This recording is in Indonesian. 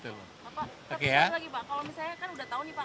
kalau misalnya kan udah tahu nih pak kalimantan